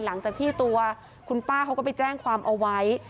หลังจากที่ตัวคุณป้าเขาก็ไปแจ้งความเอาไว้